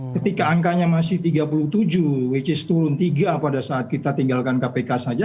ketika angkanya masih tiga puluh tujuh which is turun tiga pada saat kita tinggalkan kpk saja